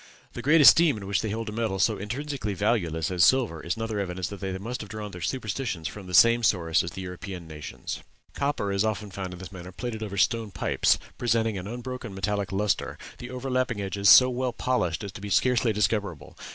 The great esteem in which they held a metal so intrinsically valueless as silver, is another evidence that they must have drawn their superstitions from the same source as the European nations. Copper is also often found in this manner plated over stone pipes, presenting an unbroken metallic lustre, the overlapping edges so well polished as to be scarcely discoverable.